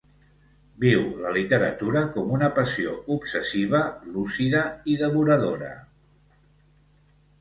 Viu la literatura com una passió obsessiva, lúcida i devoradora.